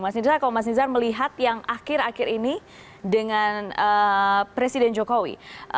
mas nizar kalau mas nizar melihat yang akhir akhir ini dengan presiden jokowi